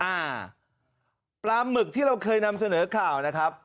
อ่าปลาหมึกที่เราเคยนำเสนอข่าวนะครับ